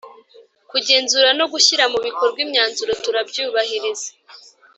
kugenzura no gushyira mu bikorwa imyanzuro turabyubahiriza